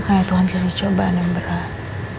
kayak tuhan kehilangan cobaan yang berat